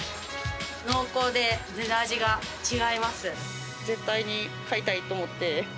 濃厚で全然味が違います。